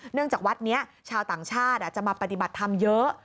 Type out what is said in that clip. จากวัดนี้ชาวต่างชาติจะมาปฏิบัติธรรมเยอะ